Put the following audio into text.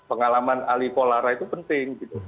pengalaman alihkolaran itu penting